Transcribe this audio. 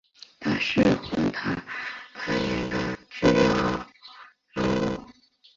他是荒诞派戏剧的重要代表人物。